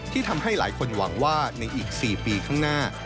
ที่ทำให้หลายคนหวังว่าในอีก๔ปีข้างหน้า